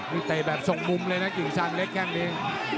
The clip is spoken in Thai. มีเตยแบบส่งมุมเลยนะกิงซังเล็กแห้งดี